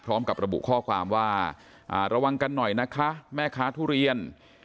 พร้อมกับระบุข้อความว่าระวังกันหน่อยนะคะแม่ค้าทุเรียน